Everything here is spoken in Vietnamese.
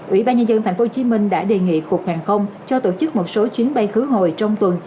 ủy ban nhân dân tp hcm đã đề nghị cục hàng không cho tổ chức một số chuyến bay khứ hồi trong tuần